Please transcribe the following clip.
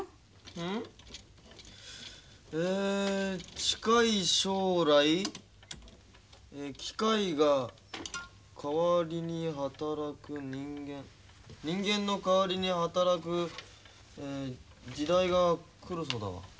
うん？え近い将来機械が代わりに働く人間人間の代わりに働く時代が来るそうだわ。